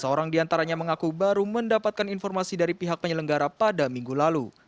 seorang diantaranya mengaku baru mendapatkan informasi dari pihak penyelenggara pada minggu lalu